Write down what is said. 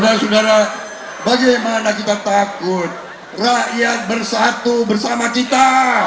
saudara saudara bagaimana kita takut rakyat bersatu bersama kita